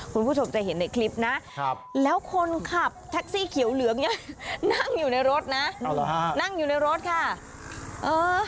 คุณผู้ชมจะเห็นในคลิปนะครับแล้วคนขับแท็กซี่เขียวเหลืองเนี่ยนั่งอยู่ในรถนะนั่งอยู่ในรถค่ะเออ